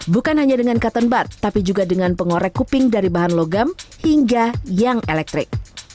bukan hanya dengan cotton but tapi juga dengan pengorek kuping dari bahan logam hingga yang elektrik